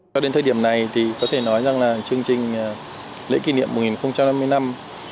cho đến thời điểm này thì có thể nói rằng là chương trình lễ kỷ niệm một nghìn năm mươi năm